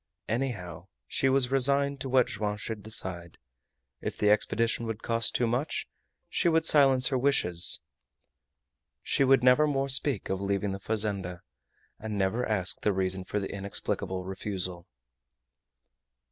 Anyhow, she was resigned to what Joam should decide. If the expedition would cost too much, she would silence her wishes; she would never more speak of leaving the fazenda, and never ask the reason for the inexplicable refusal.